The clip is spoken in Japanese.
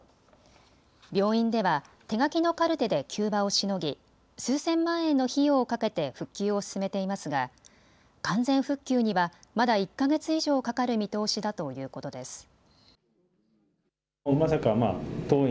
病院では手書きのカルテで急場をしのぎ数千万円の費用をかけて復旧を進めていますが完全復旧にはまだ１か月以上かかる見通しだということです。